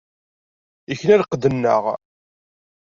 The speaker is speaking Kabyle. Ikna lqedd-nneɣ.